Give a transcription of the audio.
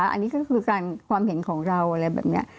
อันนี้ก็คือการความเห็นของเราอะไรแบบนี้